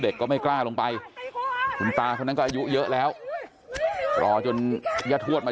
ก็ไม่กล้าลงไปคุณตาคนนั้นก็อายุเยอะแล้วรอจนญาติทวดมา